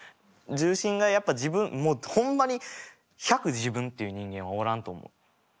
重心がやっぱ自分もうホンマに１００自分という人間はおらんと思う。